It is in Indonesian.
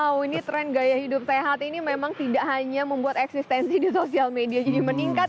wow ini tren gaya hidup sehat ini memang tidak hanya membuat eksistensi di sosial media jadi meningkat